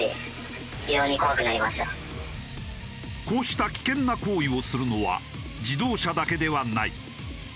こうした危険な行為をするのは自動車だけではない。